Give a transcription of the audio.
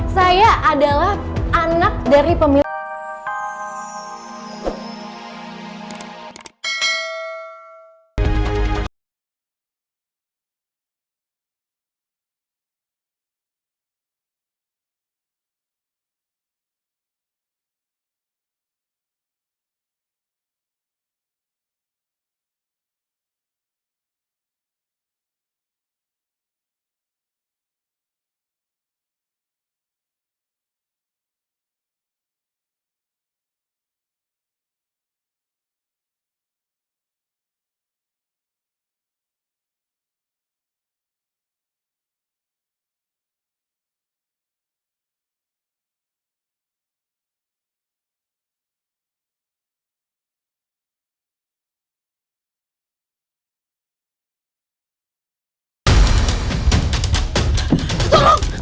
saya adalah anak dari pemilu